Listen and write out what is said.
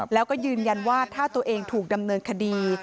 แล้วก็ยืนยันว่าถ้าตัวเองถูกดำเนินคดี